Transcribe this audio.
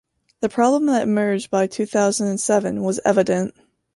The problem that emerged by two thousand and seven was evident.